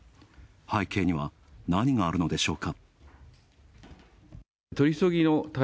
背景には何があるのでしょうか。